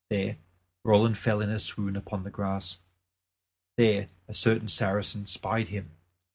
There Roland fell in a swoon upon the grass. There a certain Saracen spied him.